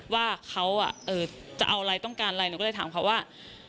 ว่าเขาจะเอาอะไรต้องการอะไรหนูก็เลยถามเขาว่า